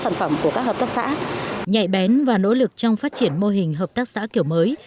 nhạy bén và nỗ lực trong phát triển mô hình hợp tác xã kiểu mới